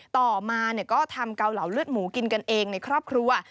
ต่อมาก็ทำเกาเหลาเลือดหมูกินกันเองในครอบครัว